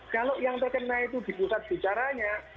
kalau yang terkena itu di pusat bicaranya